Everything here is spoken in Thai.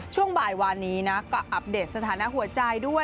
ช่วงบ่ายวานนี้นะก็อัปเดตสถานะหัวใจด้วย